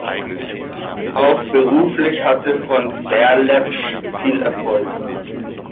Auch beruflich hatte von Berlepsch viel Erfolg.